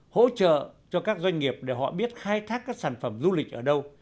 hỗ trợ cho các doanh nghiệp để họ biết khai thác các sản phẩm du lịch ở đâu